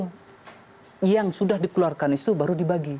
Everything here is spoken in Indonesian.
kemudian hasil yang sudah dikeluarkan itu baru dibagi